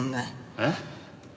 えっ？